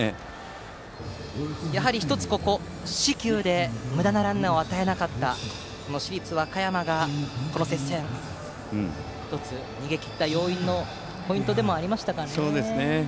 やはり１つ、四死球でむだなランナーを与えなかったことが市立和歌山がこの接戦を逃げ切った要因のポイントでもありましたかね。